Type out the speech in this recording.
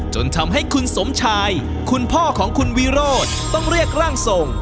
จนทำให้คุณสมชายคุณพ่อของคุณวิโรธต้องเรียกร่างทรง